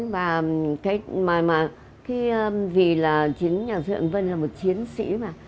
và vì là chính nhạc sĩ hoàng vân là một chiến sĩ mà